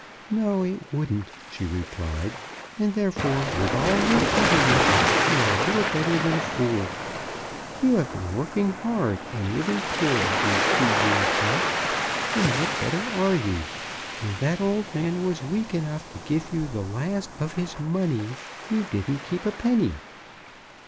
"No; it wouldn't," she replied. "And, therefore, with all your cleverness, you are little better than a fool. You have been working hard and living poor these two years back, and what better are you? When that old man was weak enough to give you the last of his money, you didn't keep a penny."